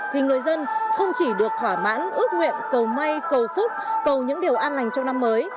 thì người dân không chỉ được thỏa mãn ước nguyện cầu may cầu phúc cầu những điều an lành trong năm mới